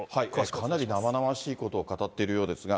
かなり生々しいことを語っているようですが。